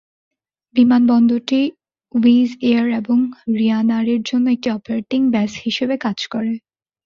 বিমানবন্দরটি Wizz Air এবং রিয়ানায়ারের জন্য একটি অপারেটিং বেস হিসাবে কাজ করে।